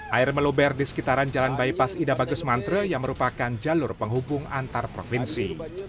air meluber di sekitaran jalan bypass ida bagus mantra yang merupakan jalur penghubung antar provinsi